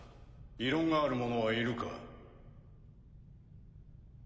異論がある者はいるか？